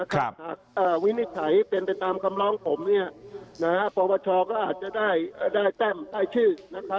ถ้าวินิจฉัยเป็นไปตามคำลองผมประบัชชาก็อาจจะได้แต้มใต้ชื่อ